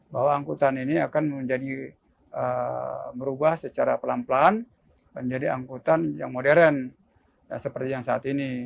bahwa angkutan ini akan menjadi merubah secara pelan pelan menjadi angkutan yang modern seperti yang saat ini